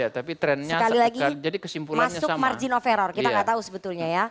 sekali lagi masuk margin of error kita nggak tahu sebetulnya ya